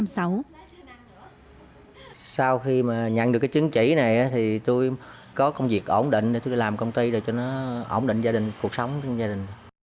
sau khi nhận được chứng chỉ này tôi có công việc ổn định để làm công ty ổn định cuộc sống của gia đình